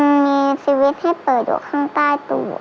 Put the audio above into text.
มันมีชีวิตที่เปิดอยู่ข้างใต้ตู้